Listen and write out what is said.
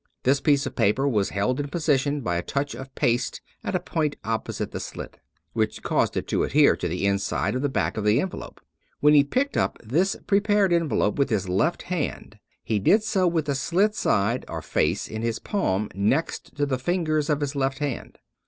This piece of paper was held in position by a touch of paste at a point opposite the slit, 244 David P. Abbott which caused it to adhere to the inside of the back of the envelope. When he picked up this prepared envelope with his left handy he did so with the slit side or face in his palm next to the fingers of his left hand.